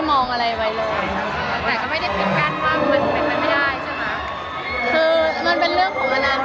ไปเรื่องนั้นไปเรื่องนั้น